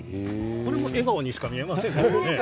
これも笑顔にしか見えません。